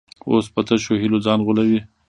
اوس په تشو هیلو ځان غولوي.